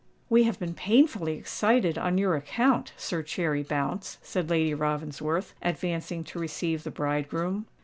"We have been painfully excited on your account, Sir Cherry Bounce," said Lady Ravensworth, advancing to receive the bridegroom.